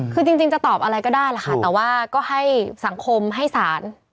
คือจริงจะตอบอะไรก็ได้แหละค่ะแต่ว่าก็ให้สังคมให้สาร